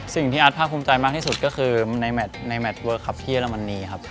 สิ่งที่อัสภาคคุ้มใจมากที่สุดก็คือในแมทเวิร์คคับที่เยอรมณีครับ